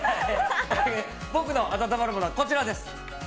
僕の温まるものはこちらです。